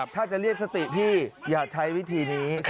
ถ้าจะเรียกสติพี่อย่าใช้วิธีนี้